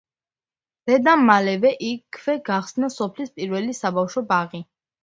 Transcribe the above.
დედამ მალე იქვე გახსნა სოფლის პირველი საბავშვო ბაღი.